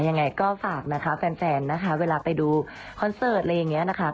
ยังไงก็ฝากนะคะแฟนนะคะเวลาไปดูคอนเสิร์ตอะไรอย่างนี้นะคะ